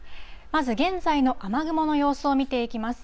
まず現在の雨雲の様子を見ていきます。